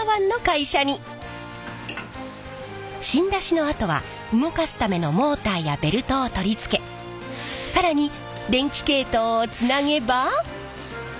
芯出しのあとは動かすためのモーターやベルトを取り付け更に電気系統をつなげば。